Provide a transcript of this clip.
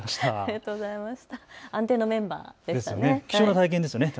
安定のメンバーでしたね。